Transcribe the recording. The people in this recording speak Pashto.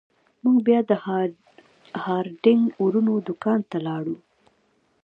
موږ بیا د هارډینګ ورونو دکان ته لاړو.